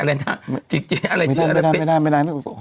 โดนให้โพดอะไรนะ